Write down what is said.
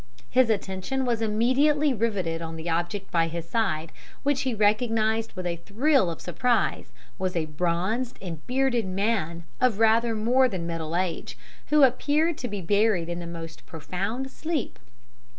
His attention was immediately riveted on the object by his side, which he recognized with a thrill of surprise was a bronzed and bearded man of rather more than middle age, who appeared to be buried in the most profound sleep.